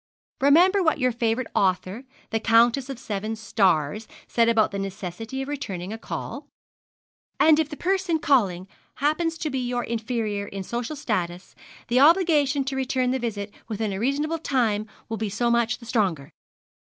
'Remember what your favourite author, the Countess of Seven Stars, says about the necessity of returning a call "and if the person calling happen to be your inferior in social status, the obligation to return the visit within a reasonable time will be so much the stronger."